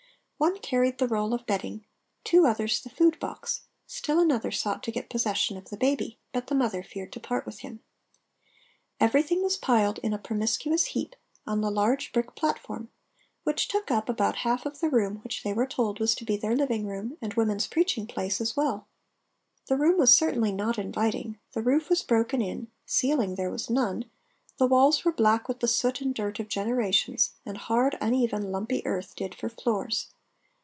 One carried the roll of bedding—two others the food box, still another sought to get possession of the baby, but the mother feared to part with him. Everything was piled in a promiscuous heap on the large brick platform which took up about half of the room which they were told was to be their living room and women's preaching place as well. The room was certainly not inviting; the roof was broken in (ceiling there was none), the walls were black with the soot and dirt of generations, and hard uneven lumpy earth did for floors.